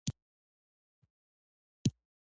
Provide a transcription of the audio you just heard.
په افغانستان کې د پامیر تاریخ خورا اوږد او پخوانی دی.